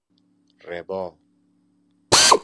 ربا